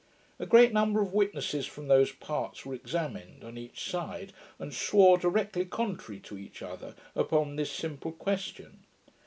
A great number of witnesses from the parts were examined on each side, and swore directly contrary to each other upon this simple question.